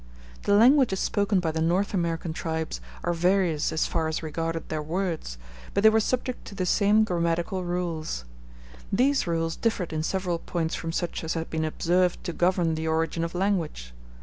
The languages spoken by the North American tribes are various as far as regarded their words, but they were subject to the same grammatical rules. These rules differed in several points from such as had been observed to govern the origin of language.